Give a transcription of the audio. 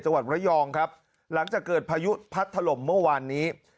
จังหวัดระยองครับหลังจากเกิดพายุพัดถล่มเมื่อวานนี้